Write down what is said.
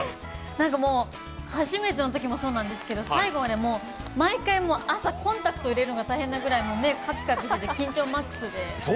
初めてのときもそうなんですけど、最後まで毎回朝、コンタクトを入れるのが大変ぐらい目がカピカピしてて緊張マックスで。